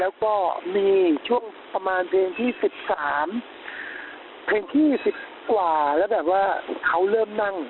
แล้วก็มีช่วงประมาณเพลงที่๑๓เพลงที่๑๐กว่าแล้วแบบว่าเขาเริ่มนั่ง